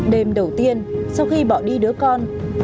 đêm đầu tiên sau khi bỏ đi đứa con